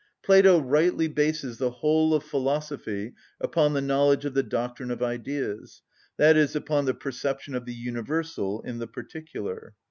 Plato rightly bases the whole of philosophy upon the knowledge of the doctrine of Ideas, i.e., upon the perception of the universal in the particular.